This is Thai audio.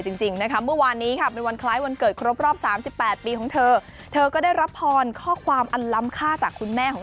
ถึงแม้ว่าจะเป็นคุณแม่ลูกหนึ่งแล้วนะ